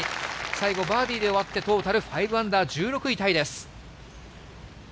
最後、バーディーで終わってトータル５アンダー、１６位タイです。